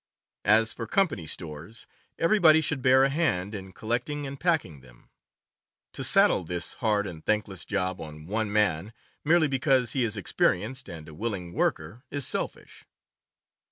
As for company stores, everybody should bear a hand in collecting and packing them. To saddle this hard and thankless job on one man, merely because he is experienced and a willing worker, is selfish.